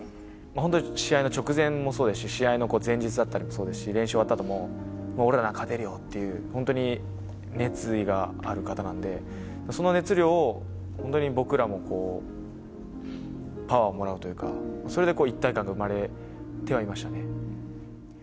本当に試合の直前もそうですし、試合の前日だったりもそうですし、練習終わったあとも、俺らなら勝てるよっていう、本当に熱意がある方なんで、その熱量を本当に僕らもパワーをもらうというか、それで一体感が生まれてはいましたね。